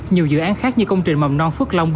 nhiều dự án khác như công trình mầm non phước long